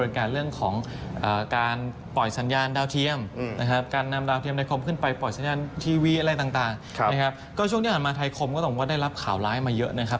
มีสินค้าที่ยกเลิกสัญญาไปนะครับ